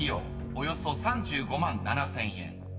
およそ３５万７，０００円］